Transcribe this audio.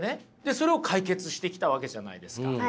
それを解決してきたわけじゃないですか。